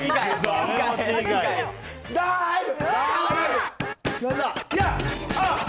ダイブ！